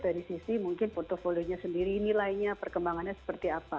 dari sisi mungkin portfolionya sendiri nilainya perkembangannya seperti apa